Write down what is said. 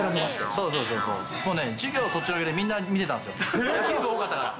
そうそうそう、授業そっちのけでみんな見てたんですよ。